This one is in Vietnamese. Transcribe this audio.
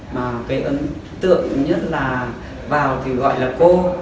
mà cái ấn tượng nhất là vào thì gọi là cô